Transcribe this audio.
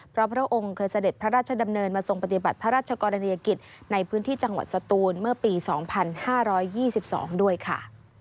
เพราะพระองค์เคยเสด็จพระราชดำเนินมาทรงปฏิบัติพระราชกรณียกิจในพื้นที่จังหวัดสตูนเมื่อปี๒๕๒๒ด้วยค่ะ